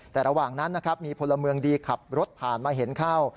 แต่ระหว่างนั้นนะครับมีพลเมืองดีขับรถผ่านมาเห็นเข้า